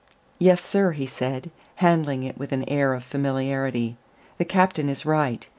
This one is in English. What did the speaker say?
"Yes, sir," he said, handling it with an air of familiarity, "the captain is right.